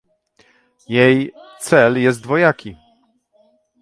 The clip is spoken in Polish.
Jej cel jest dwojaki